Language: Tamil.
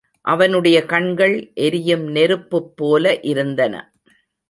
அவனுடைய கண்கள் எரியும் நெருப்புப்போல இருந்தன.